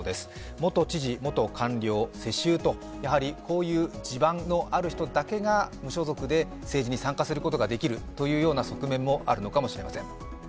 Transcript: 元知事、元官僚、世襲と、こういう地盤のある人だけが無所属で政治に参加できるというような側面もあるのかもしれません。